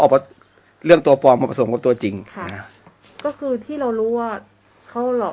เอาเรื่องตัวปลอมมาผสมกับตัวจริงค่ะก็คือที่เรารู้ว่าเขาหลอก